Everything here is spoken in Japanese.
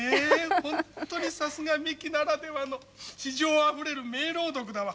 ほんとにさすがミキならではの詩情あふれる名朗読だわ。